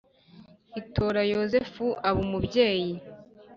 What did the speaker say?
itora yozefu aba umubyeyi